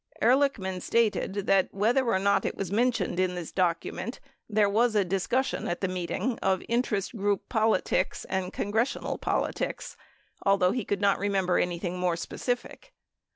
32 Ehrlichman stated that, whether or not it was mentioned in the document, there was a discussion at the meeting of interest group politics and congressional politics, although he could not remember anything more specific.